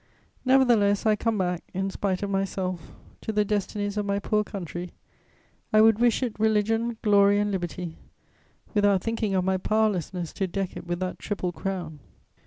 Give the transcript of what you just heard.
Nevertheless, I come back, in spite of myself, to the destinies of my poor country. I would wish it religion, glory and liberty, without thinking of my powerlessness to deck it with that triple crown."